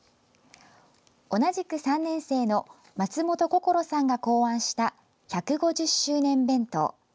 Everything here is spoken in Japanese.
同じく３年生の松元心花さんが考案した１５０周年弁当。